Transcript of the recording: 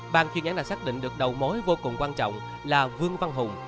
bàn chuyên gián đã xác định được đầu mối vô cùng quan trọng là vương văn hùng